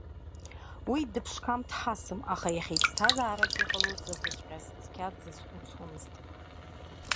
Уи дыԥшқам-дҳасым, аха иахьа иԥсҭазаараҿ иҟало закәыҵәҟьаз цқьа дзазхәыцуамызт.